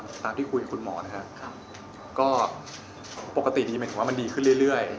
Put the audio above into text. ตามที่คุยกับคุณหมอนะครับก็ปกติดีหมายถึงว่ามันดีขึ้นเรื่อย